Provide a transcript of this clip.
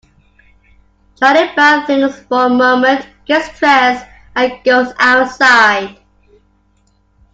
Charlie Brown thinks for a moment, gets dressed, and goes outside.